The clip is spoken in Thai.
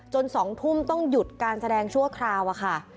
๒ทุ่มต้องหยุดการแสดงชั่วคราวอะค่ะ